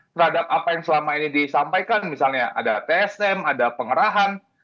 terhadap apa yang selama ini disampaikan misalnya ada tsm ada pengerahan